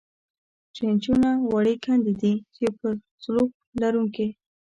ټرینچونه وړې کندې دي، چې په سلوپ لرونکې.